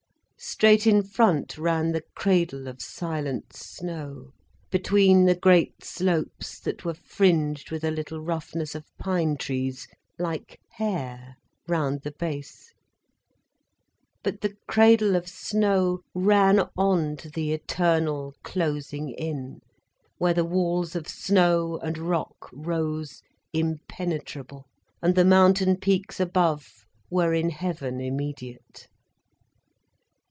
Straight in front ran the cradle of silent snow, between the great slopes that were fringed with a little roughness of pine trees, like hair, round the base. But the cradle of snow ran on to the eternal closing in, where the walls of snow and rock rose impenetrable, and the mountain peaks above were in heaven immediate.